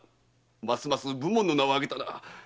ますます武門の名を上げたな。